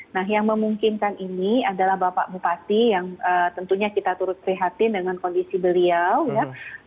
nah yang memungkinkan ini adalah bapak bupati yang tentunya kita turut prihatin dengan kondisi beliau ya